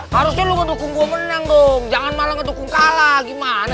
harusnya lu mendukung gue menang dong jangan malah ngedukung kalah gimana